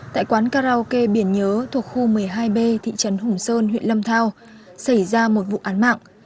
tại quán karaoke biển nhớ thuộc khu một mươi hai b thị trấn hùng sơn huyện lâm thao xảy ra một vụ án mạng